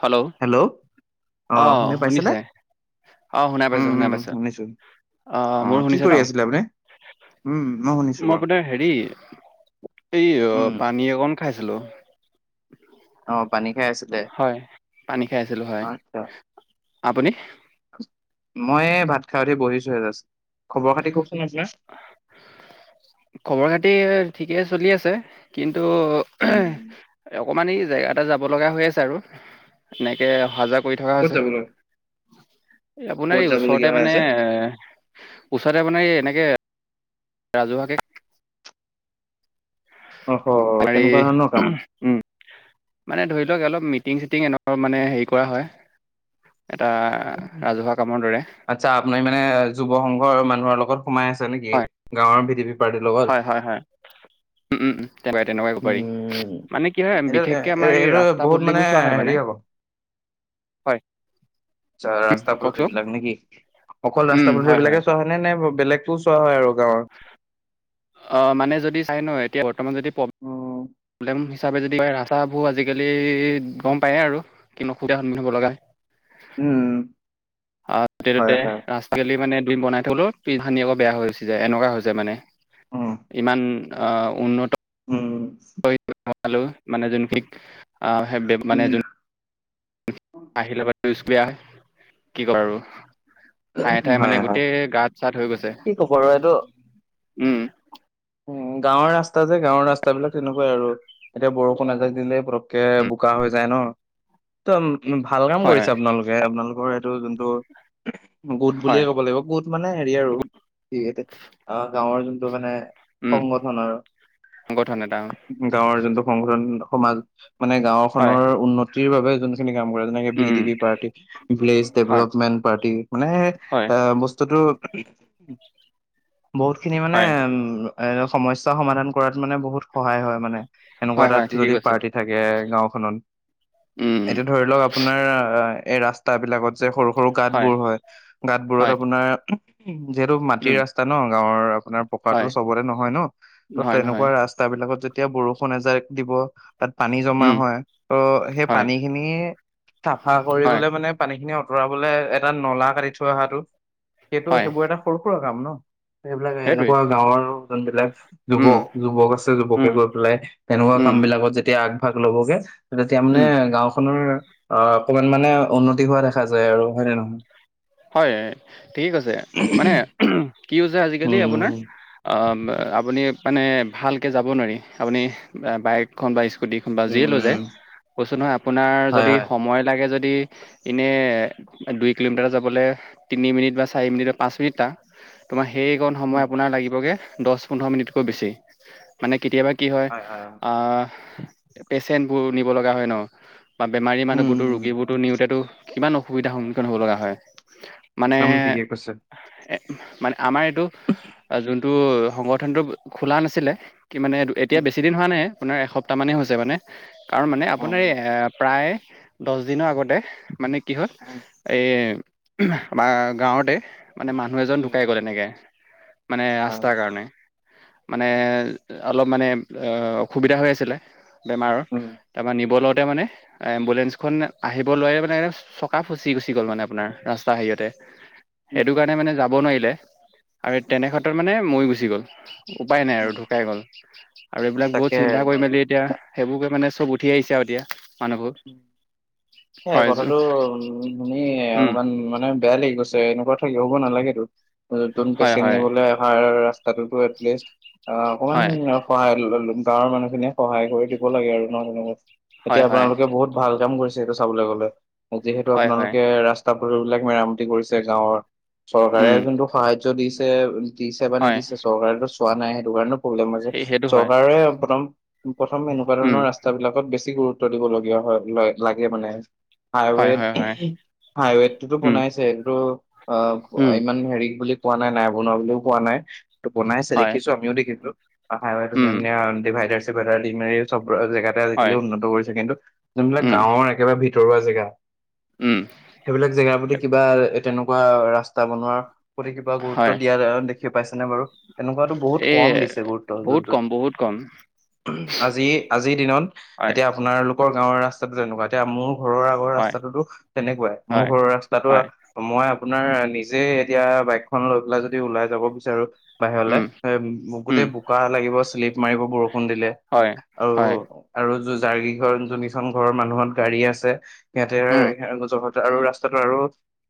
Hello অ আহ শুনি পাইছেনে? শুনিছে? অ শুনাই পাইছো উম শুনাই উম পাইছো শুনিছো আহ অ মোৰো কি শুনিছে কৰি নহ? আছিলে আপুনি? উম শুনিছো মই বাৰু আপোনাৰ হেৰি এই অ উম পানী অকন খাইছিলো। অ, পানী খাই আছে হয়, পানী খাই আছিলো হয় আপুনি মই ভাত খাই উঠি বহিছো হে জাষ্ট। খবৰ খাতি কওকচোন আপোনাৰ। খবৰ খাতি ঠিকেই চলি আছে। কিন্তু, উম অকমান ই জেগা এটা যাব লগা হৈ আছে আৰু এনেকে অহা যোৱা কৰি থকা ক'ত হৈছে। যাবলৈ এই আপোনাৰ ক'ত এই ওচৰতে যাবলগীয়া হৈ মানে আছে ওচৰে মানে এই এনেকে ৰাজহুৱাকে অ হ আ কেনেকুৱা ধৰণৰ কাম [unintelligible] উম, মানে ধৰি লওক অলপ মিটিং চিটিং এ মানে হেৰি কৰা হয়। এটা ৰাজহুৱা কামৰ দৰে। আচ্ছা আপুনি মানে যুৱ সংঘৰ মানুহৰ লগত সোমাই আছে নেকি গাঁৱৰ ভিথি হয়-হয়-হয়। উম, তেনেকুৱাই-তেনেকুৱাই কব পাৰি। উম মানে কি হয় এইটো বিশেষকে আমাৰ এই এইটো ৰাস্তা বহুত মানে পদূলিবোৰ চোৱা হয় হেৰি মানে। হ'ব হয়। আচ্ছা উম, ৰাস্তা পদূলি কওকচোন? বিলাক নেকি অকল উম, ৰাস্তা পদূলি হয়, বিলাকে চোৱা হয় নাই-নাই বা [unintelligible] বেলেগতো চোৱা হয় আৰু গাঁৱৰ৷ অ, মানে যদি চাই ন এতিয়া বৰ্তমান যদি উম হিচাপে যদি ক ৰাস্তাবোৰ আজিকালি গম পায়েই আৰু কিন্তু অসুবিধাৰ সন্মুখীন হ'ব লগা। উম। আহ ত হয় ততে হয় লিকালি মানে দুইিন বনাই থলো দু খানি আকৌ বেয়া হৈ যে এনেকুৱা হৈছে মানে। উম ইমান আহ উন্নত উম। [unintelligible] আহিলে বাৰ বিয় হয় কি ক আৰু। ঠায়ে উম ঠায়ে মানে হয় হয় গোটেই গাত-চাত হৈ গৈছে কি ক'ব আৰু এইটো উম। উম, গাঁৱৰ ৰাস্তা যে গাঁৱৰ ৰাস্তা বিলাক তেনেকুৱাই আৰু। এতিয়া বৰষুণ এজাক দিলে পটককে উম, বোকা হৈ যায় ন। ত, ভাল কাম হয়, হয়, কৰিছে আপোনালোকে আপোনালোকৰ এইটো যোনটো গোট বুলিয়ে হয়। ক'ব লাগিব গোট মানে হেৰি আৰু অ' গাঁৱৰ যোনটো মানে উম, সংগঠনৰ, সংগঠন এটা গাঁৱৰ যোনটো সংগঠন সমাজ মানে হয়, গাঁওখনৰ উন্নতিৰ বাবে যোনখিনি কাম কৰে যেনেকে ভি উম, ডি বি পাৰ্টি। ভিলজ হয়, ডেভলপমেন্ট পাৰ্টি মানে হয়, এ বস্তুতটো বহুত খিনি মানে হয়, উ এ সমস্যা সমাধান কৰাত মানে বহুত সহায় হয় মানে এনেকুৱা হয়, এ তাত হয়, ঠিকেই যদি কৈছে। পাৰ্টিত। থাকে গাঁওখনত উম, উম, এতিয়া ধৰি লওঁক আপোনাৰ এই ৰাস্তা বিলাকত সৰু, সৰু গাতবোৰ হয় গতবোৰত হয়, আপোনাৰ যিহেতু মাটি উম, ৰাস্তা আছে ন গাঁৱৰ আপোনাৰ পকাটো হয়। চবতে নহয় ন' ত নহয়, নহয়, তেনেকোৱা ৰাস্তা বিলাকত যেতিয়া বৰষুণ এজাক দিব তাত পানী জমা উম, হয় ত' সেই হয়, পানীখিনি চাফা হয়, কৰিবলে মানে পানী খিনি আঁতৰাবলে এটা নলা কাটি থৈ অহাটো সেইটো হয়, সেইবোৰ এটা সৰু সুৰা কাম ন। সেইবিলাক সেইটোৱে, এনেকুৱা গাঁৱৰ যোনবিলাক উম, যুৱক, যুৱক আছে যুৱকে উম, গৈ তেনেকুৱা উম, কাম বিলাকত যেতিয়া আগভাগ ল'বগে তেতিয়া মানে উম, গাঁওখনৰ অ, অকমান মানে উন্নতি হোৱা দেখা যায় আৰু হয়নে নহয়? হয়, ঠিকেই কৈছে মানে কি হৈছে আজিকালি আপোনাৰ উম আপুনি মানে ভালকৈ যাব নোৱাৰি আপুনি বাইক খন বা স্কুটি খন বা যিয়ে লৈ যায় উম কৈচোন নহয়, আপোনাৰ হয় যদি হয় সময় লাগে যদি এনেই দুই কিলোমিটাৰ যাবলৈ তিনি, মিনিট বা চাৰি মিনিট বা পাঁচ মিনিট টা। তোমাৰ সেইকণ সময় উম আপোনাৰ লাগিবগে দহ, পোন্ধৰ মিনিটকৈ বেছি। মানে কেতিয়াবা কি হয় অ' পেচেণ্টবোৰ নিব লগা হয় ন'। বা বেমাৰী উম মানুহবোৰতো উম ৰোগীবোৰতো নিওঁতেতো কিমান অসুবিধাৰ সন্মুখীন হ'ব লগা হয়। মানে। একদম ঠিকে কৈছে এ মানে আমাৰ এইটো যোনটো সংগঠনটো খোলা নাছিলে। কি মানে এতিয়া উম বেছি দিন হোৱা নাই আপোনাৰ এস এপ্তাহ মানেই হৈছে মানে কাৰণ মানে অ আপোনাৰ এই প্ৰায় দহ দিনৰ আগতে মানে। কি হ'ল উম এই আমাৰ গাঁৱতে মানে মানুহ এজন উম ঢুকাই গ'ল এনেকে মানে হয় ৰাস্তাৰ উম কাৰণে। মানে অলপ মানে অসুবিধা হৈ আছিলে। বেমাৰত উম তাৰপৰা নিব লওঁতে মানে। এম্বুলেঞ্চখন আহিব লোৱাৰে মানে এক চকা ফচি গুচি গ'ল মানে আপোনাৰ ৰাস্তা হেৰিয়তে। উম সেইটো কাৰণে মানে যাব নোৱাৰিলে আৰু তেনেক্ষেত্ৰত মানে মৱি গুচি গ'ল। উপায় নাই আৰু উম ঢুকাই গ'ল আৰু এইবিলাক বহুত তাকে চিন্তা কৰি মেলি এতিয়া। সেইবোৰকে মানে চব উঠি আহিছে আৰু এতিয়া। মানুহবোৰ সেই হয় কথাটো উ শুনি উম অকমান উ মানে বেয়া লাগি গৈছে এনেকোৱা থাকে হ'ব নালাগেতো। নতুন হয় পেচেণ্ট হয় নিবলৈ অহাৰ ৰা তাতোটো এটলিষ্ট অ' অকমান হয় অ'। সহায় গাঁৱৰ মানুহ খিনিয়ে সহায় কৰি দিব লাগে আৰু নহয় জানো? হয় এতিয়া হয় আপোনালোক বহুত ভাল কাম কৰিছে সেইটো চাবলে গ'লে যিহেতু হয় হয় আপোনালোকে ৰা ৰাস্তা পদূলি বিলাক মেৰামতি কৰিছে গাঁৱৰ চৰকাৰে উম যোনটো সাহায্য দিছে। দিছে বা হয় নিদিছে চৰকাৰেটো চোৱা নাই সেইটো কাৰণেও প্ৰব্লেম হৈছে। সেই সেইটো হয় চৰকাৰে প্ৰথম প্ৰথম এনেকুৱা উম ধৰণৰ ৰাস্তা বিলাকত বেছি গুৰুত্ব দিব লগীয়া হয় ল লাগে মানে হয় হাইৱেত হয় হয় হাইৱেতটোতো উম বনাইছে এইটো অ উম ইমান হেৰী বুলি কোৱা নাই। নাই বনোৱা বুলিও কোৱা নাই। বনাইছে হয় দেখিছো আমিও দেখছো ইাইৱেত ধুনীয়া উম ধুনীয়া ডিভাইডাৰ চিভাইডাৰ দি মেলি চব জেগা আজিকালি হয় উন্নত কৰিছে কিন্তু যোনবিলাক উম গাঁৱৰ একেবাৰে ভিতৰুৱা জেগা উম সেইবিলাক জেগাৰ প্ৰতি কিবা এ তেনেকোৱা ৰাস্তা বনোৱাৰ প্ৰতি কিবা গুৰুত্ব হয়। দিয়াৰ দেখি পাইছেনে বাৰু এনেকোৱাতো বহুত এই কম দিছে গুৰুত্ব বহুত কম, যোনটোত বহুত কম। আজি আজিৰ দিনত হয়, এতিয়া আপোনাৰক আৰ গাঁৱৰ ৰাস্তাটো যেনেুৱা এতিয়া মোৰ ঘৰৰ আগৰ হয়, ৰাস্তাটোতো তেনেকুৱাই মোৰ হয়, ঘৰৰ ৰাস্তাটো হয়। মই আপোনাৰ নিজে এতিয়া বাইকখন লৈ পেলাই যদি ওলাই যাব বিচাৰো বাহিৰলে উম, উম, গোটেই বোকা লাগিব শ্লিপ মাৰিব বৰষুণ দিলে হয়, হয়। আৰু আৰু য যাৰ কিঘৰ যোনখন ঘৰৰ মানুহত গাড়ী আছে সিহঁতেৰ উম, আৰু ৰাস্তাটো আৰু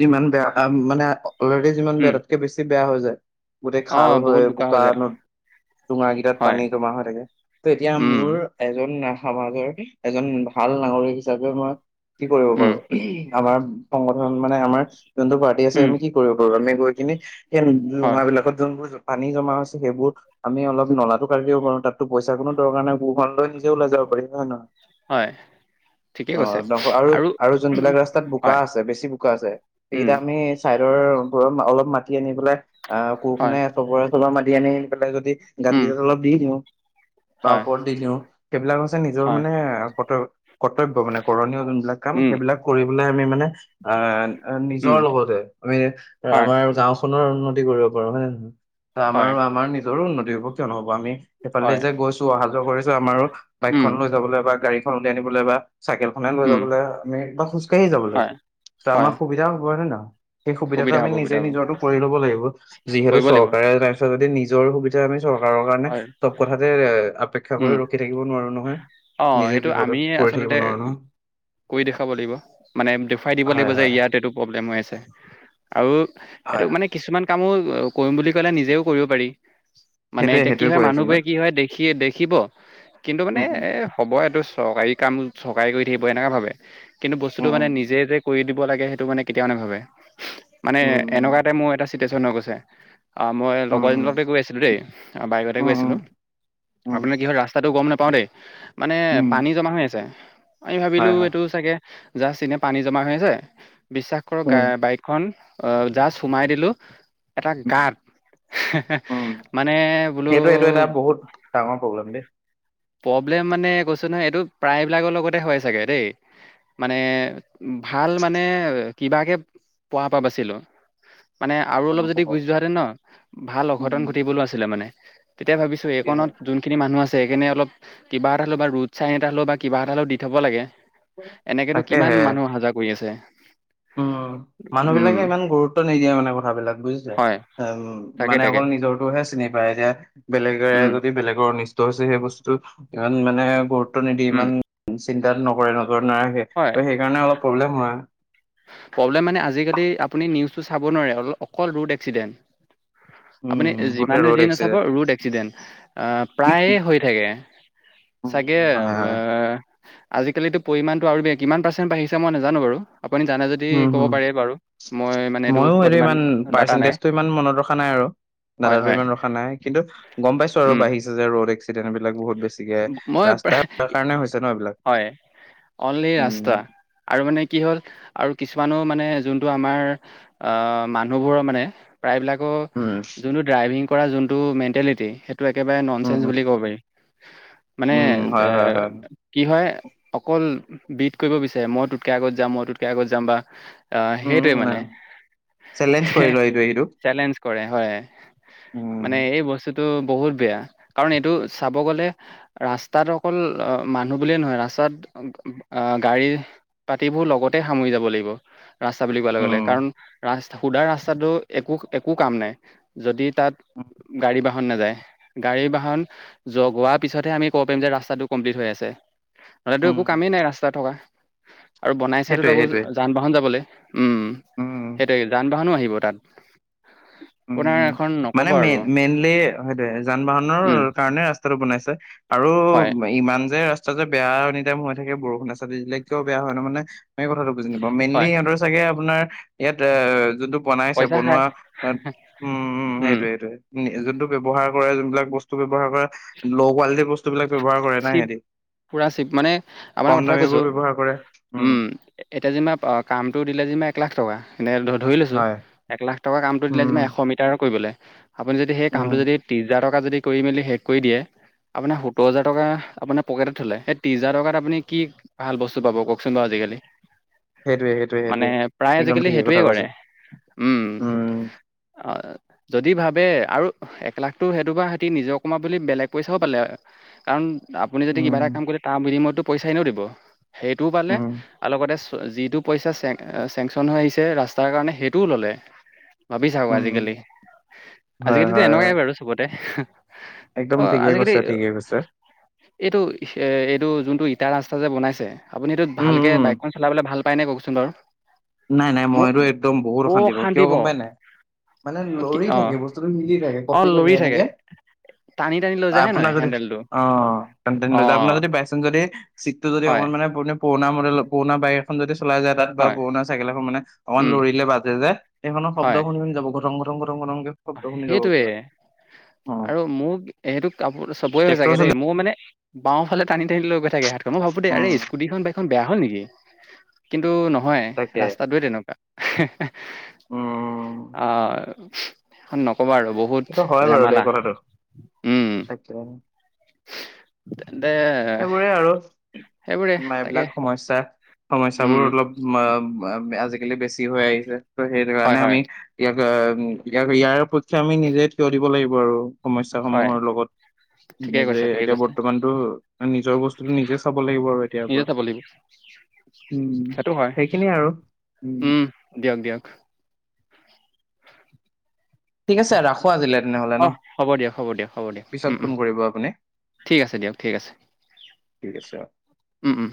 যিমান বেয়া মানে অলৰেডি যিমান বেয়া উম। তাতকে বেছি বেয়া হৈ যায় গোটেই খাল অ' বহুত হয় বোকা হৈ যায়। নদ দোঙা কেইটাত পানী হয়। জমা হৈ থাকে তেতিয়া উম, মোৰ এজন সমাজৰ এজন ভাল নাগৰিক হিচাপে মই কি কৰিব পাৰো উম, আমাৰ সংগঠন মানে আমাৰ যোনটো পাৰ্টি আছে উম, আমি কি কৰিব পাৰো আমি গৈ কিনি সেই দোঙা হয়, বিলাকত যোনবোৰ পানী জমা হৈছে সেইবোৰ আমি অলপ নলাটো কাটি দিব পাৰো তাততো পইচাৰ কোনো দৰকাৰ নাই কোৰ খন লৈ নিজে ওাই যাব পাৰি নহয় হয় ঠিকেই অ কৈছে এ আৰু যোনবিলাক ৰাস্তাত বোকা হয়, আছে বেছি বোকা আছে উম, সেইকেইটা আমি চাইডৰ ৰত অলপ মাতি আনি পেলাই আহ হয়, কোৰখনে চবৰে চবৰে মাতি আনি আনি পেলাই যদি গাত উম, কেইটাত অলপ দি দিও‌ বা হয়, ওপৰত দি দিওঁ সেইবিলাক হৈছে নিজৰ হয়, মানে কৰ্তব্য কৰ্তব্য মানে কৰণীয় যোনবিলাক কাম উম, সেইবিলাক কৰি পেলাই আমি মানে আহ নিজৰ উম, লগতে আমি হয়, আমাৰ গাও নৰ উন্নতি কৰিব পাৰো হয় নেহ হয়, আমাৰো আমাৰ নিজৰো উন্নতি হ'ব কিয় হ'ব আমি সিফালে হয়, যে গৈছো অহা যোৱা কৰিছো আমাৰো উম, বাইকখন লৈ যাবলৈ বা গাড়ীখন উলিয়াই আনিবলৈ বা চাইকেল খনে লৈ উম, যাবলে আমি বা খোজ কাঢ়ি যাবলে হয়, হয়। আমাৰ সুবিধা হব নে নহয় সেই সুবিধাটো সুবিধা আমি হ'ব, নিজে সুবিধা হ'ব। নিজৰতো কৰি ল'ব লাগিব যিহেতু কৰিব লাগিব। চৰকাৰে নাই চোৱা যদি নিজৰ সুবিধা আমি চৰকাৰৰ কাৰণে হয়, চব কথাতে এ অপেক্ষা উম। কৰি ৰখি থাকিব নোৱাৰো নহয় অ নিজে সেইটো আমি বিপদত পৰি থাকিব আচলতে নোৱাৰো নহয়। কৰি দেখুৱাব লাগিব মানে দেখুৱাই দিব হয় লাগিব যে হয়। ইয়াত এইটো প্ৰব্লেম হৈ আছে আৰু হয় এইটো মানে কিছুমান কামো কৰিম বুলি কলে নিজেও কৰিব পাৰি মানে সেইটোৱে এতিয়া কি সেইটোৱে হয় কৈ আছো মই। মানুহবোৰে কি হয় দেখি দেখিব কিন্তু মানে উম এ হ'ব এইটো চৰকাৰী কাম চৰকাৰী কৰি থাকিব এনেকা ভাবে কিন্তু বস্তুটো মানে উম। নিজে যে কৰি দিব লাগে সেইটো মানে কেতিয়াও নাভাবে মানে উম এনেকুৱা এটা মো চিটোৱেচন হৈ গৈছে মই উম উম লগৰ এজনি লগতে গৈ আছিলোঁ দেই বাইকতে উম উম গৈছিলো উম উম আপোনাৰ কি হয় ৰাস্তাটো গম নাপাওঁ দেই মানে উম পানী জমা হৈ আছে আমি ভাবিলো হয় হয় এইটো চাগে যাচ এপিনে পানী জমা হৈ আছে বিশ্বাস কৰক উম বাইকখন অ জাষ্ট সোমাই দিলো এটা উম গাত হে হে মানে বোলো সেইটোৱে এইটো এটা বহুত ডাঙৰ প্ৰব্লেম প্ৰব্লেম মানে কৈছো নহয় এইটো প্ৰায়বিলাকৰ লগতে হয় চাগে দেই মানে ভাল মানে কিবাকে পৱা বাচিলো মানে আৰু অলপ নকব যদি গুচি যোৱা হেতেন ন' ভাল উম অঘটন ঘটিবলৈ আছিলে মানে। তেতিয়াই ভাবিছোঁ তাকেহে এইকণত যোনখিনি মানুহ আছে এইকাৰণে অলপ কিবা এটা হ'লে বা ৰোড চাইন এটা হলেও বা কিবা এটা হ'লেও দি থব লাগে। এনেকেতো কিমান তাকেহে মানুহ আহা যোৱা কৰি আছে। উম, মানুহ উম বিলাকে ইমান গুৰুত্ব নিদিয়ে মানে কথাবিলাক বুজিছে? হয় আ উম, তাকে মানে তাকে অকল নিজৰটোহে চিনি পায় এতিয়া বেলেগে উম যদি বেলেগৰ নিচ ত'হৈছে সেই বস্তুটো ইমান মানে গুৰুত্ব নিদিয়ে উম ইমান চিন্তাত নকৰে- নকৰে নাৰাখে। হয় ত' সেইকাৰণে অলপ প্ৰব্লেম হয়। প্ৰব্লেম মানে আজিকালি আপুনি নিউজটো চাব নোৱাৰে অল অকল ৰোড এক্সিডেণ্ট। আপুনি উম গোটেই যিমানে ৰ'ড যি নাচাব এক্সিডেণ্ট ৰোড এক্সিডেণ্ট আহ প্ৰায়ে হৈ থাকে। চাগে [unintelligible] হয় হয় আজিকালিতো পৰিমাণটো আৰু বেয়া কিমান পাৰ্চেণ্ট বাঢ়িছে মই নাজানো বাৰু আপুনি জানে যদি উম, ক'ব হম, পাৰে বাৰু মই মানে মইয়ো ওপৰত এইটো ইমান ডাটা নাই পাৰ্চেন্টিচটো ইমান মনত ৰখা নাই আৰু। হয় দাদাৰো হয় ইমান ৰখা নাই কিন্তু গম পাইছোঁ আৰু উম, বাঢ়িছে যে ৰ'দ এক্সি দেণ্ট বিলাক বহুত বেছিকে মই ৰাস্তা প্ৰায় বেয়া [unintelligible] কাৰণে হৈছে ন' এইবিলাক। হয় অনলি উম আস্তা আৰু মানে কি হ'ল আৰু কিছুমানো মানে যোনটো আমাৰ আহ মানুহবোৰৰ মানে প্ৰায়বিলাক উম যোনটো ড্ৰাইভিং কৰা যোনটো মেণ্টেলিটি সেইটো একেবাৰে নন উম চেনচ বুলি ক'ব পাৰি! ! ! ! ! মানে উম, হয়, হয়, হয়, [unintelligible] কি হয় অকল বিড কৰিব বিচাৰে মই তোতকে আগত যাম - মই তোতকে আগত যাম বা অ, সেইটোৱে মানে উম, চেলেঞ্জ হে কৰি লোৱা এইটোৱে সিটোক। চেলেঞ্জ কৰে হয়। উম, মানে এই বস্তুটো বহুত বেয়া কাৰণ এইটো চাব গ'লে ৰাস্তাত অকল অ, মানুহ বুলিয়ে নহয় ৰাস্তাত অ, গাড়ী পাতিবোৰ লগতে সামৰি যাব লাগিব। ৰাস্তা বুলি কোৱা লগে -লগে উম, কাৰণ ৰাস্ত সুধা ৰাস্তাটো একো -একো কাম নাই যদি উম তাত গাড়ী বাহন নাযায় গাড়ী বাহন য গোৱা পিছতহে আমি ক'ব পাৰিম যে ৰাস্তাটো কমপ্লিট হৈ আছে নহলেতো উম একো কামেই নাই ৰাস্তাত থকা। আৰু বনাইছেতো সেইটোৱে, তাকো সেইটোৱে, যান- বাহন যাবলে। উম, উম, সেইটোৱে যান- বাহনো আহিব তাত। আপোনাৰ উম, এখন মানে নক'ব আৰু মেইন- মেইনলি সেইটোৱে যান- বাহনৰ উম কাৰণে ৰাস্তাটো বনাইছে আৰু হয় ইমান যে ৰাস্তা যে বেয়া এনিটাইম হৈ থাকে বৰষুণে ৰাস্তাটোত দিলে কিয় বেয়া হয় তাৰমানে সেই কথাটো বুজি নাপাওঁ মেইনলি হয় ইহঁতৰ চাগে আপোনাৰ ইয়াত এত যোনটো বনাইছে পইচা খায় বনোৱা তাত উম- উম সেইটোৱে - সেইটোৱে। উম, যোনটো ব্যৱহাৰ কৰা যোনবিলাক বস্তু ব্যৱহাৰ কৰা ল' কোৱালিটিৰ বস্তু বস্তুবিলাক ব্যৱহাৰ কৰে না চিপ সিহতি পুৰা চিপ মানে আপোনাক কম কথা এটা দামী কৈছো বোৰ ব্যৱহাৰ কৰে উম। এতিয়া যেনিবা কামটো দিলে যেনিবা এক লাখ টকা এনে ধৰি লৈছো হয় এক লাখ টকা কামটো দিলে উম যেনিবা এশ মিটাৰৰ কৰিবলে আপুনি যদি সেই উম কামটো যদি ত্ৰিছ হাজাৰ টকাত যদি কৰি মেলি শেষ কৰি দিয়ে আপোনাৰ সত্ত দহ হেজাৰ টকা আপোনাৰ পকেতত থ'লে ত্ৰিছ হাজাৰ টকাত আপুনি কি ভাল বস্তু পাব কওকচোন বাৰু আজিকালি। সেইটোৱে সেইটোৱে মানে সেইটোৱে প্ৰায় একদম আজি-কালি ঠিকে সেইটোৱে কথা কৰে। কৈছে উম। অ, যদি ভাবে আৰু এক লাখটো সেইটো বা সিহতি নিজৰ কমা বুলি বেলেগ পইচাও পালে। কাৰণ আপুনি যদি কিবা উম এটা কাম কৰে তাৰ বিনিময়ততো পইচা এনেও দিব। সেইটোও পালে উম আৰু লগতে চ যিটো পইচা চেং -চেংচন হৈ আহিছে ৰাস্তাৰ কাৰণে সেইটোও ল'লে। ভাবি চাওঁ উম আজিকালি। হয় আজিকালিতো হয় হয় এনেকুৱাই বাৰু চবতে একদম অ, ঠিকে আজিকালি কৈছে ঠিকে কৈছে এইটো ইহ এইটো যোনটো ইটা ৰাস্তা যে বনাইছে আপুনি সেইটোত উম ভালকে উম বাইকখন চলাবলে ভাল উপাই পাই নাই কওকচোন বাৰু। নাই-নাই মোৰ মইটো একদম বহুত অশান্তি পাওঁ কিয় গম পাই নাই? মানে লৰি অ' থাকে বস্তুটো হিলি থাকে কঁপি থাকে এনেকে। টান-টানি লৈ যায়ে হে নই? আপোনাৰ অ, আপোনাৰ যদি বাইচেন্স যদি চিটটো যদি হয় অকণমান যদি প্ৰব্লেম। পুৰণা মডেল পুৰণা বাইক এখন যদি চলাই যায় তাত বা হয় পুৰণা চাইকেল এখন মানে অকমান উম, লৰিলে বাজে যে সেইখনৰ শব্দ হয়। শুনি -শুনি যাব ঘথং- ঘথং -ঘথং কে। শব্দ শুনি যাব সেইটোৱে পোৰা। আৰু মোক এটো কাপোৰ চবৰে ট্ৰেক্টৰ চাগে চলি দেই মোৰ মানে মই মনে। বাওঁৰলফালে টানি- টানি লৈ গৈ থাকে হাতখন মই ভাবোঁ দে উম আৰে স্কুটিখন বাইকখন বেয়া হল নেকি? কিন্তু নহয় তাকে ৰাস্তাটোৱে তেনেক কুৱা [unintelligible] উম আহ সেখন নকবা আৰু বহুত সেইটো বত হয় জামালা উম, তেন দে সেইবোৰে আৰু তোমাৰ তাকে এইবিলাক সমস্যা উম, সমস্যাবোৰ অলপ [unintelligible] আজিকালি বেছি হৈ আহিছে ত' সেইটো হয়, কাৰণে হয়, আমি [unintelligible] ইয়াৰ পক্ষে আমি নিজে থিয় দিব লাগিব আৰু। সমস্যা হয়। সমূহৰ লগত ঠিকে নিজে কৈছে, ঠিকে এতিয়া কৈছে বৰ্তমানটো এ নিজৰ বস্তুতটো নিজে খাব লাগিব আৰু এ। নিজে চাব লাগিব উম সেইটো হয় সেইখিনিয়ে আৰু উম। দিয়ক -দিয়ক ঠিক আছে [unintelligible] ৰাখো আজিলে তেনেহলে অ, ন হ'ব দিয় -হ'ব দিয়া হ'ব দিয়া পিছত উম- ফোন উম কৰিব আপুনি ঠিক আছে দিয়ক ঠিক আছে। ঠিক আছে অ। উম -উম